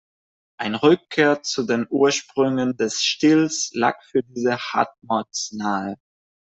Ein Rückkehr zu den Ursprüngen des Stils lag für diese "Hard Mods" nahe.